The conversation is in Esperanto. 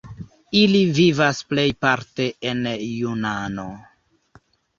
Ili vivas plejparte en Junano.